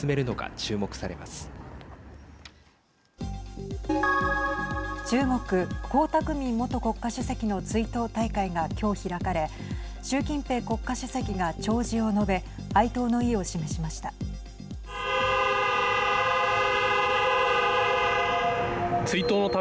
中国、江沢民元国家主席の追悼大会が今日、開かれ習近平国家主席が弔辞を述べ哀悼の意を示しました。